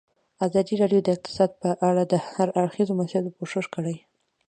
ازادي راډیو د اقتصاد په اړه د هر اړخیزو مسایلو پوښښ کړی.